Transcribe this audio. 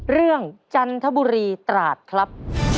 เรื่องจันทบุรีตราศครับ